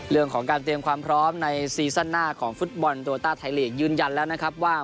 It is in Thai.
เรื่องของการเตรียมความพร้อมในซีซั่นหน้าของฟุตบอลโลต้าไทยลีกยืนยันแล้วนะครับว่า